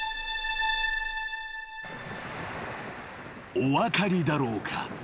［お分かりだろうか］